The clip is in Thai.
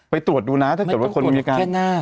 ไปตรวจดูนะถ้าตรวจดูคนมีการ